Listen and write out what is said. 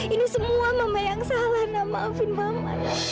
ini semua mama yang salah nah maafin mama